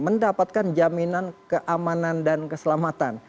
mendapatkan jaminan keamanan dan keselamatan